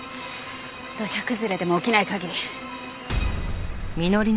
土砂崩れでも起きない限り。